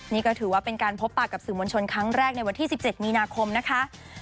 นี่ก็ถือว่าเป็นการพบปากกับสื่อมวลชนครั้งแรกในวันที่๑๗มีนาคมนะคะ